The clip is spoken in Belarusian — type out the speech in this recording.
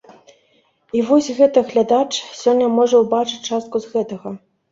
І вось гэта глядач сёння можа ўбачыць частку з гэтага.